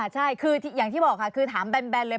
ใช่คืออย่างที่บอกถามแบนเลย